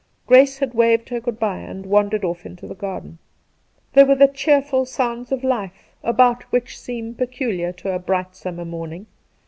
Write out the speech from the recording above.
G race had waved her good bye and wandered off into the garden. There were the cheerful sounds of life about which, seem peculiar to a bright summer morning.